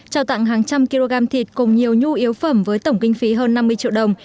trao tặng hàng trăm kg thịt cùng nhiều nhu yếu phẩm với tổng kinh phí hơn năm mươi triệu đồng